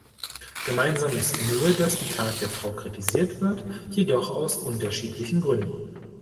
Gemeinsam ist nur, dass die Tat der Frau kritisiert wird, jedoch aus unterschiedlichen Gründen.